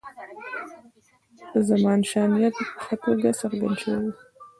د زمانشاه نیت په ښه توګه څرګند شوی وو.